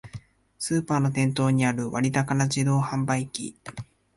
スーパーの店頭にある割高な自動販売機